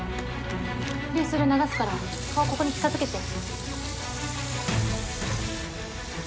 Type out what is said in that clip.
流水で流すから顔ここに近づけて。